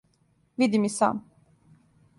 Видим и сам!